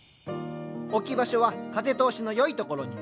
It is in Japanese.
置き場所は風通しの良いところに。